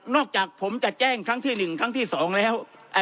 นอกจากผมจะแจ้งครั้งที่หนึ่งครั้งที่สองแล้วอ่า